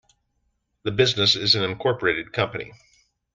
The business is an incorporated company.